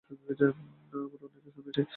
না, তবে অনেকেই শুনেছে।